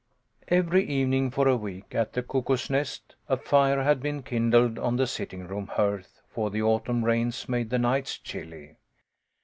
EVERY evening for a week, at the Cuckoo's Nest, a 'fire had been kindled on the sitting room hearth, for the autumn rains made the nights chilly.